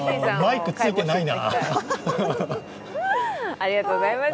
マイク、ついてないな。